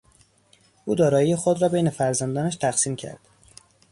او دارایی خود را بین فرزندانش تقسیم کرد.